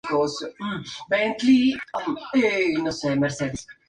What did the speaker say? Juega de defensor en Central Norte y su primer equipo fue Argentino de Rosario.